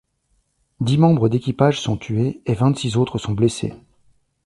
Dix membres d’équipages sont tués et vingt-six autres sont blessés.